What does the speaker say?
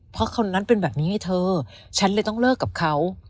เพราะคนนั้นเป็นแบบนี้ไงเธอฉันเลยต้องเลิกกับเขา